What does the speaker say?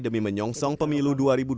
demi menyongsong pemilu dua ribu dua puluh